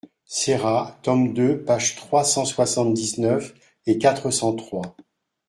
Serra, tome deux, pages trois cent soixante-dix-neuf et quatre cent trois.